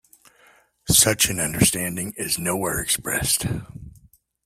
Such an understanding is nowhere expressed.